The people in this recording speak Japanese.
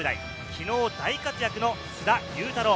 昨日、大活躍の須田侑太郎。